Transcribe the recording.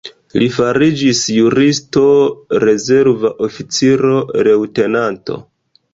Li fariĝis juristo, rezerva oficiro, leŭtenanto.